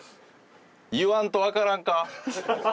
言わんとわからんか？